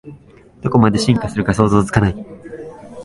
どこまで進化するか想像つかない